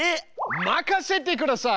任せてください！